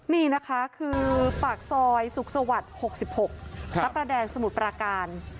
นี่นะคะคือปากซอยสุขสวรรค์๖๖พระประแดงสมุทรปราการ